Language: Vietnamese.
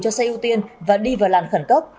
cho xe ưu tiên và đi vào làn khẩn cấp